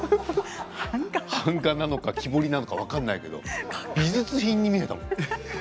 版画か木彫りか分からないけど美術品に見えたもん。